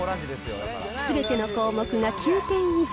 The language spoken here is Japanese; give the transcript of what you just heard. すべての項目が９点以上。